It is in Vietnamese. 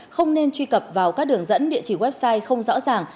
không nên truy cập vào các đường dẫn địa chỉ website không rõ ràng